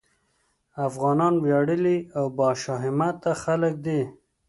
افغانان وياړلي او باشهامته خلک دي.